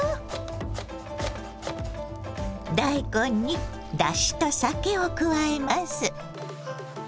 大根にだしと酒を加えます。